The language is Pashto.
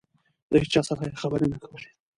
د هېچا سره یې خبرې نه کولې.